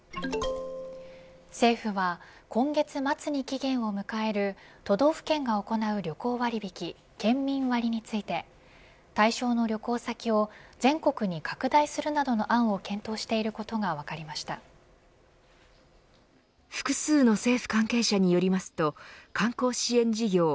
政府は、今月末に期限を迎える都道府県が行う旅行割引県民割について対象の旅行先を全国に拡大するなどの案を検討していることが複数の政府関係者によりますと観光支援事業